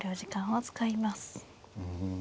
うん。